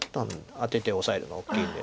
アテてオサえるのが大きいんで。